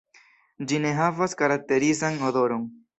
Ĝi ne havas karakterizan odoron.